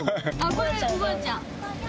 これおばあちゃん。